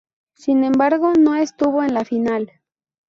Sin embargo no estuvo en la final.